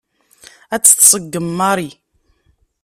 Ad tt-tṣeggem Mary.